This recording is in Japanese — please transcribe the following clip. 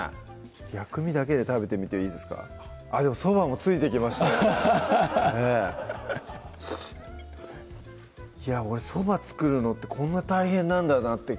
薬味だけで食べてみていいですかでもそばもついてきました俺そば作るのってこんな大変なんだなって